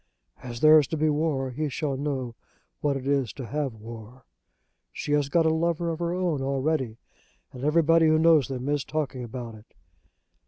As there is to be war, he shall know what it is to have war. She has got a lover of her own already, and everybody who knows them is talking about it."